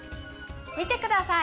見てください。